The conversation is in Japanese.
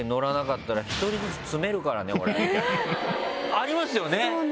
ありますよね？